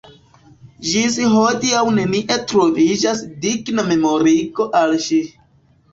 Ĝis hodiaŭ nenie troviĝas digna memorigo al ŝi.